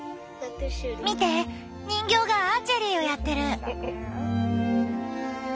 見て人形がアーチェリーをやってる。